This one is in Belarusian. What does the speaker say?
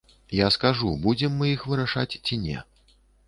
Я скажу, будзем мы іх вырашаць ці не.